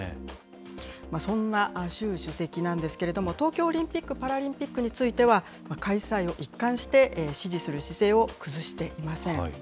そんな習主席なんですけれども、東京オリンピック・パラリンピックについては、開催を一貫して支持する姿勢を崩していません。